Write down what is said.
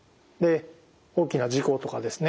大きな事故とかですね